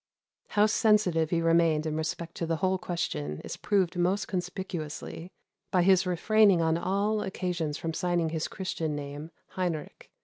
How sensitive he remained in respect to the whole question is proved most conspicuously by his refraining on all occasions from signing his Christian name, Heinrich.